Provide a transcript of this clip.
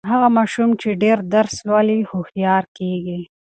هغه ماشوم چې ډېر درس لولي، هوښیار کیږي.